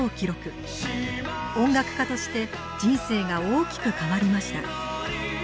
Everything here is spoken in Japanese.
音楽家として人生が大きく変わりました。